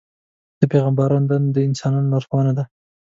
د پیغمبرانو دنده د انسانانو لارښوونه ده.